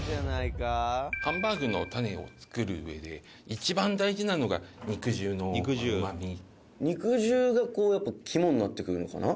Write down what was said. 「ハンバーグのタネを作るうえで一番大事なのが肉汁のうまみ」「肉汁が肝になってくるのかな」